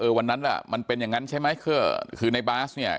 วันนั้นล่ะมันเป็นอย่างนั้นใช่ไหมคือคือในบาสเนี่ย